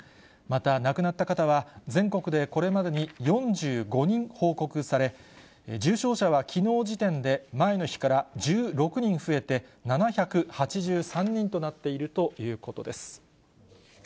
また亡くなった方は、全国でこれまでに４５人報告され、重症者はきのう時点で前の日から１６人増えて、７８３人となっているということです。